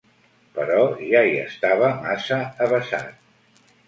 Però ja hi estava massa avesat.